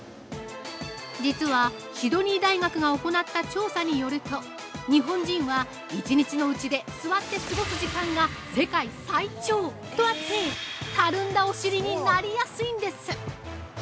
◆実はシドニー大学が行った調査によると、日本人は、１日のうちで座って過ごす時間が世界最長！とあって、たるんだお尻になりやすいんです。